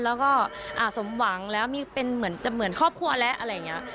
แล้วก็สมหวังแล้วมีเป็นเหมือนจะเหมือนครอบครัวแล้วอะไรอย่างนี้